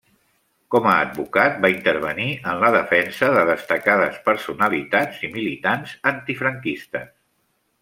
Com a advocat va intervenir en la defensa de destacades personalitats i militants antifranquistes.